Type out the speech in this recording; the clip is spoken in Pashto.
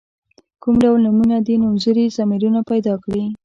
کوم ډول نومونه دي نومځري ضمیرونه پیداکړي.